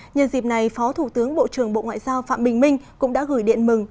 nhân dịp này phó thủ tướng bộ trưởng bộ ngoại giao phạm bình minh cũng đã gửi điện mừng